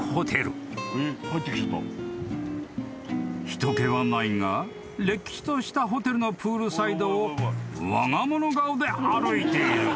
［人けはないがれっきとしたホテルのプールサイドをわが物顔で歩いている。